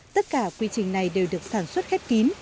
tất cả quy trình này đều được sản xuất khép kín